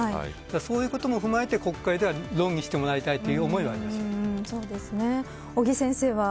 そういうことも踏まえて国会では論議してもらいたいという思いはあります。